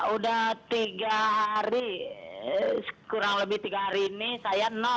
udah tiga hari kurang lebih tiga hari ini saya